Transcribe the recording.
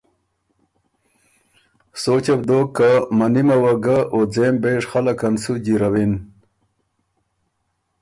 سوچه بو دوک که منِمه وه ګه، او ځېم بېژ خلق ان سُو جیرَوِن